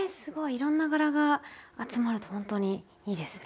いろんな柄が集まるとほんとにいいですね。